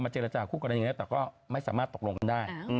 มาเจรจาคู่กันอย่างนี้แต่ก็ไม่สามารถตกลงกันได้